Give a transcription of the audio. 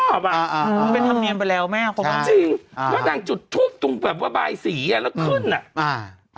เป็นถ้ำเนียนไปแล้วไหมครับผมแฟนจุดทูปตรงแบบว่าบายศรีแล้วขึ้นอะ